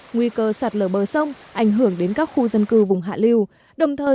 nguy cơ sạt lở bờ sông ảnh hưởng đến các khu dân cư vùng hạ liêu đồng thời